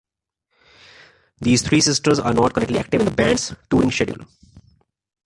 These three sisters are not currently active in the band's touring schedule.